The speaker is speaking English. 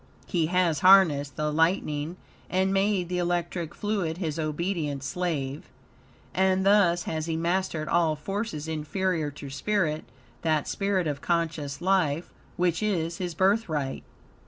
He has harnessed the lightning, and made the electric fluid his obedient slave. And thus has he mastered all forces inferior to spirit that spirit of conscious life which is his birthright.